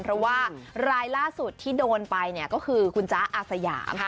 เพราะว่ารายล่าสุดที่โดนไปเนี่ยก็คือคุณจ๊ะอาสยาม